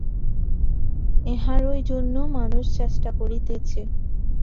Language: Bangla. ইহারই জন্য মানুষ চেষ্টা করিতেছে।